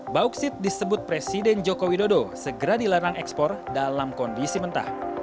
bauksit disebut presiden joko widodo segera dilarang ekspor dalam kondisi mentah